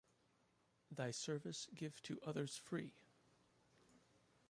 Thy service give to others free!